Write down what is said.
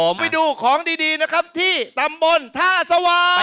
มาไปดูของดีของที่ตำบลท่าสว่าง